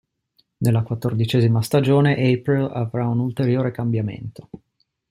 Nella quattordicesima stagione April avrà un ulteriore cambiamento.